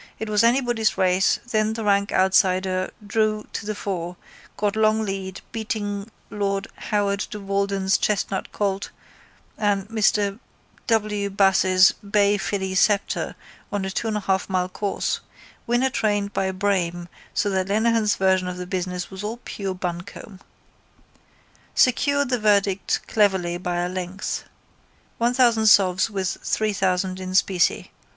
It was anybody's race then the rank outsider drew to the fore, got long lead, beating Lord Howard de Walden's chestnut colt and Mr W. Bass's bay filly Sceptre on a 2 1/2 mile course. Winner trained by Braime so that Lenehan's version of the business was all pure buncombe. Secured the verdict cleverly by a length. 1000 sovs with 3000 in specie.